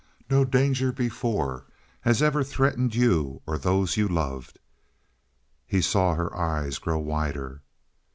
No danger before has ever threatened you or those you loved." He saw her eyes grow wider.